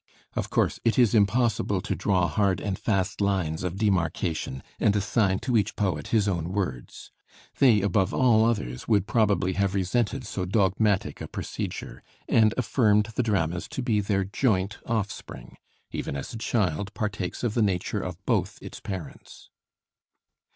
Of course it is impossible to draw hard and fast lines of demarkation, and assign to each poet his own words. They, above all others, would probably have resented so dogmatic a procedure, and affirmed the dramas to be their joint offspring, even as a child partakes of the nature of both its parents.